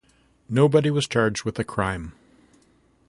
Nobody was charged with a crime.